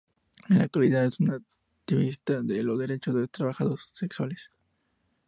En la actualidad es una activista de los derechos de los trabajos sexuales.